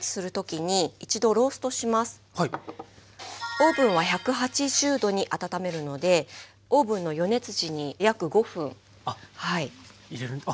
オーブンは１８０℃に温めるのでオーブンの予熱時に約５分入れます。